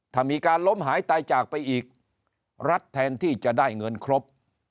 ถ้ามีการล้มหายตายจากไปอีกรัฐแทนที่จะได้เงินครบ